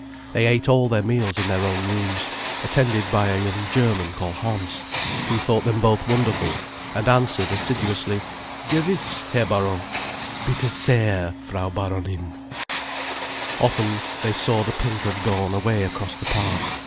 They ate all their meals in their own rooms, attended by a young German called Hans, who thought them both wonderful, and answered assiduously: "Gewiss, Herr Baron—bitte sehr, Frau Baronin." Often, they saw the pink of dawn away across the park.